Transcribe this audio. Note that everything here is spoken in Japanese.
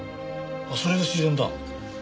それが自然だ。